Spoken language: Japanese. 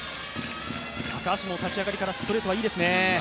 高橋も立ち上がりからストレートがいいですね。